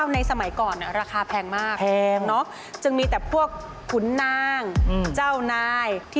ให้สำหรับเจ้านาย